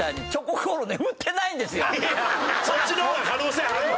いやそっちの方が可能性あるわ！